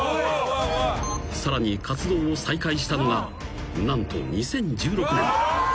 ［さらに活動を再開したのが何と２０１６年］